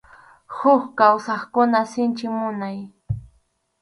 Huk kawsaqkuna sinchi munay.